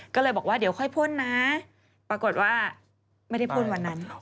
ก็เลยบอกว่าเดี๋ยวค่อยพ่นนะปรากฏว่าไม่ได้พ่นวันนั้น